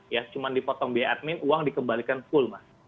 ya cuma dipotong biaya admin uang dikembalikan full mas